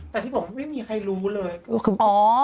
แต่ที่ผมไม่มีใครรู้เลย